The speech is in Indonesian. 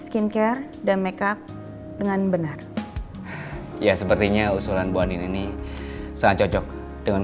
kita juga bakal kasih tau gimana cara pakai